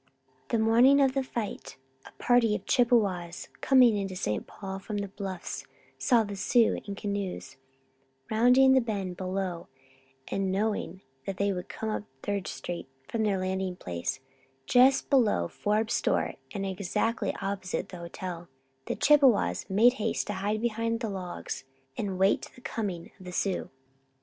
The morning of the fight, a party of Chippewas coming into St. Paul from the bluffs saw the Sioux in canoes rounding the bend below and knowing they would come up Third Street from their landing place, just below Forbes' Store and exactly opposite the hotel, the Chippewas made haste to hide behind the logs, and wait the coming of the Sioux.